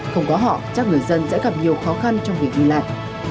không có họ chắc người dân sẽ gặp nhiều khó khăn trong việc đi lại